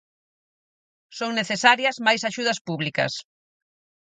Son necesarias máis axudas públicas.